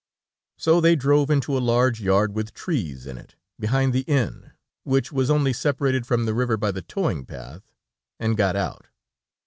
So they drove into a large yard with trees in it, behind the inn, which was only separated from the river by the towing path, and got out.